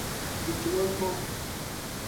Di chihi o suhu.